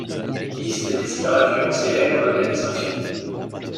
Liste des hydravions et aéronefs amphibies.